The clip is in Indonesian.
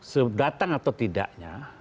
sedatang atau tidaknya